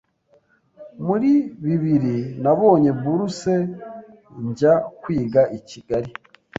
Muri bibiri nabonye buruse njya kwiga I Kigali